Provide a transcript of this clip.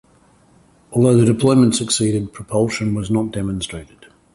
Although the deployment succeeded, propulsion was not demonstrated.